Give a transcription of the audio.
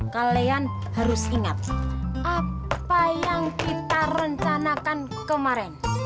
kalian harus ingat apa yang kita rencanakan kemarin